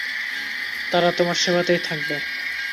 তারা তোমার সেবাতেই থাকবে।